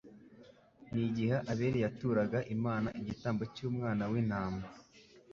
n'igihe Abeli yaturaga Imana igitambo cy'Umwana w'intama